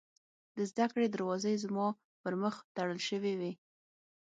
د زدکړې دروازې زما پر مخ تړل شوې وې